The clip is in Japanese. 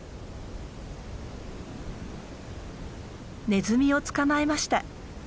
ネズミを捕まえました。